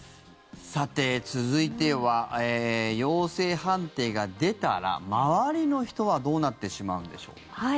さて、続いては陽性判定が出たら周りの人はどうなってしまうんでしょうか。